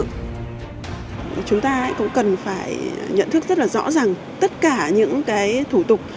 chúng ta cũng cần phải nhận thức rất là rõ ràng tất cả những cái thủ tục